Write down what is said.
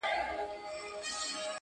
هر څوک خپله کيسه جوړوي او حقيقت ګډوډېږي,